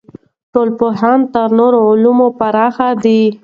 ټولنپوهنه تر نورو علومو پراخه ده.